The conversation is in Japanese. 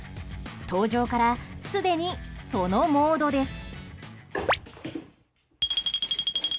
登場から、すでにそのモードです。